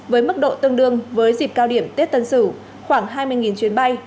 với mức độ tương đương với dịp cao điểm tết tân sửu khoảng hai mươi chuyến bay